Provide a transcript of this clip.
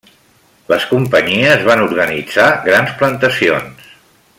Les companyies van organitzar grans plantacions.